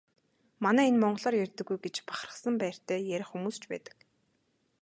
Манай энэ монголоор ярьдаггүй гэж бахархсан байртай ярих хүмүүс ч байдаг.